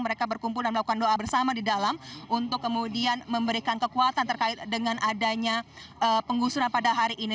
mereka berkumpul dan melakukan doa bersama di dalam untuk kemudian memberikan kekuatan terkait dengan adanya penggusuran pada hari ini